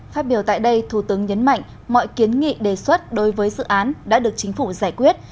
phát biểu tại đây thủ tướng nhấn mạnh mọi kiến nghị đề xuất đối với dự án đã được chính phủ giải quyết